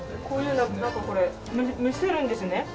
こういうなんかこれ蒸せるんですね。